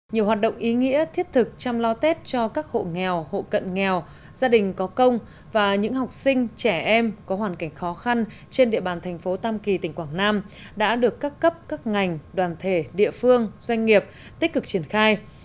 nhiều hoạt động ý nghĩa thiết thực chăm lo tết cho các hộ nghèo hộ cận nghèo gia đình có công và những học sinh trẻ em có hoàn cảnh khó khăn trên địa bàn thành phố tam kỳ tỉnh quảng nam đã được các cấp các ngành đoàn thể địa phương doanh nghiệp tích cực triển khai